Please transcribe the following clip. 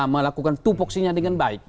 melakukan tupok sinya dengan baik